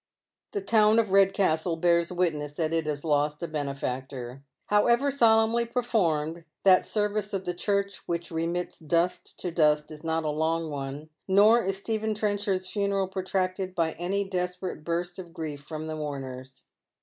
The town of Redcastle bears witness that it has lost a bene factor. However solemnly performed, that serv'ice of the Church which remits dust to dust is not a long one, nor is Stephen Tren shard's funeral protracted by any desperate burst of grief frotii the mourners.